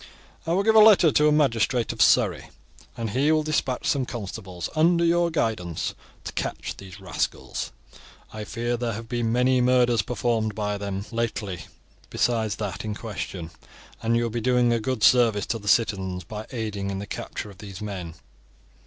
"I will give you a letter to a magistrate of Surrey, and he will despatch some constables under your guidance to catch these rascals. I fear there have been many murders performed by them lately besides that in question, and you will be doing a good service to the citizens by aiding in the capture of these men.